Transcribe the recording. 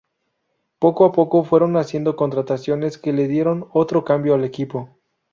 Poco a poco, fueron haciendo contrataciones que le dieron otro cambio al equipo.